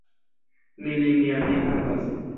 Mi lin jam ne havas!